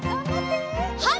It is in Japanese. はい！